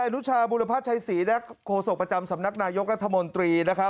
นุชาบุรพัชชัยศรีโคศกประจำสำนักนายกรัฐมนตรี